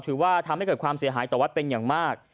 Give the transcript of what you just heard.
ถือว่าทำให้เกิดความเสียหายต่อวัดเป็นอย่างมาก